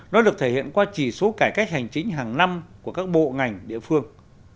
nó được thể hiện qua chỉ số cải cách hành chính hàng năm của các bộ ngành địa phương